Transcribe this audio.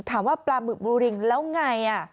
ถามว่าปลาหมึกบูริงแล้วไง